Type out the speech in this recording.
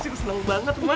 a ceng seneng banget mak